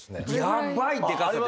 やばいでかさで。